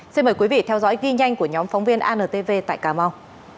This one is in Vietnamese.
xin mời quý vị theo dõi ghi nhanh của nhóm phóng viên antv tại cà mau